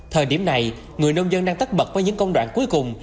thời điểm này người nông dân đang tất bật với những công đoạn cuối cùng